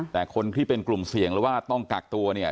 แต่คนที่เป็นกลุ่มเสี่ยงหรือว่าต้องกักตัวเนี่ย